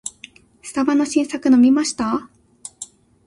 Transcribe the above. スタバの新作飲みました？